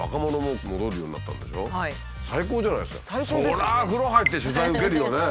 そりゃ風呂入って取材受けるよね。